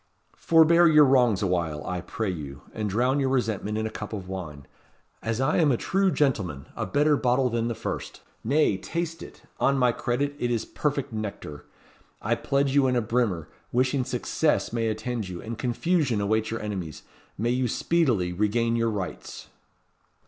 "Forbear your wrongs awhile, I pray you, and drown your resentment in a cup of wine. As I am a true gentleman! a better bottle than the first! Nay, taste it. On my credit, it is perfect nectar. I pledge you in a brimmer; wishing Success may attend you, and Confusion await your Enemies! May you speedily regain your Rights!"